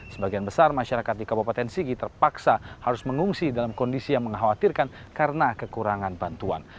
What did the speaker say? sebagian besar masyarakat di kabupaten sigi terpaksa harus mengungsi dalam kondisi yang mengkhawatirkan karena kekurangan bantuan